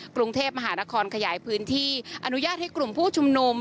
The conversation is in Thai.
กรุงเทพมหานครขยายพื้นที่อนุญาตให้กลุ่มผู้ชุมนุม